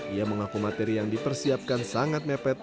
ia mengaku materi yang dipersiapkan sangat mepet